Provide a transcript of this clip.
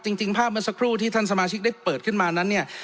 จริงภาพเมื่อสักครู่ที่ท่านสมาชิกได้เปิดขึ้นมานั้นเนี่ย